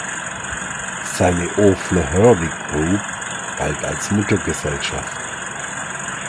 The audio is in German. Seine O’Flaherty Group galt als Muttergesellschaft.